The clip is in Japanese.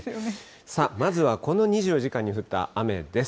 さあ、まずはこの２４時間に降った雨です。